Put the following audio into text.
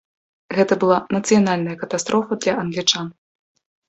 Гэта была нацыянальная катастрофа для англічан.